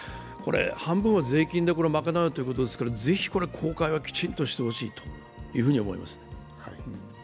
半分は税金で賄うということですから、ぜひこれ、公開はきちんとしてほしいと思います。